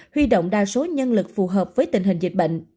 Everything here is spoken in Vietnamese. huy động đa số nhân lực phù hợp với tình hình dịch bệnh